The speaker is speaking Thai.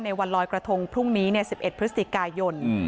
ในวันรอยกระทงพรุ่งนี้สิบเอ็ดพฤศติกายน